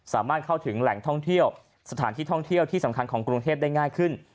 สามารถเข้าถึงแหล่งท่องเที่ยวสถานที่ท่องเที่ยวที่สำคัญของกรุงเทพได้ง่ายขึ้น